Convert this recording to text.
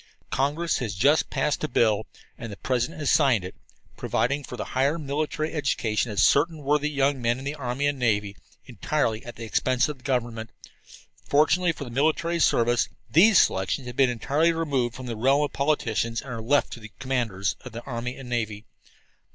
"Congress has just passed a bill, and the President has signed it, providing for the higher military education of certain worthy young men in the army and navy, entirely at the expense of the government. Fortunately for the military service, these selections have been entirely removed from the realm of politics and are left to the commanders in the army and navy.